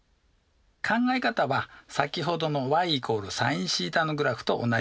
考え方は先ほどのｙ＝ｓｉｎθのグラフと同じです。